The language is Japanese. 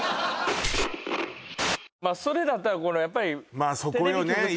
まあそれだったらやっぱりまあそこよね